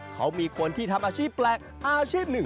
เขามีคนที่ทำอาชีพแปลกอาชีพหนึ่ง